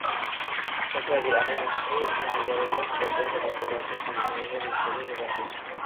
სოფელი აბანოსხევი ექვემდებარება საქართველოს საპატრიარქოს წილკნისა და დუშეთის ეპარქიას.